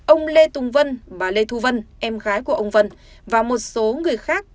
ông lê tùng vân và lê thu vân em gái của ông vân và một số người khác